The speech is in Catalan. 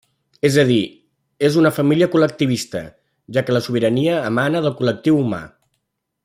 És a dir, és una família col·lectivista, ja que la sobirania emana del col·lectiu humà.